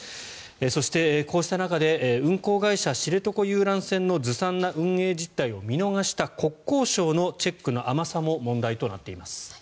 そして、こうした中で運航会社、知床遊覧船のずさんな実態を見逃した国交省のチェックの甘さも問題となっています。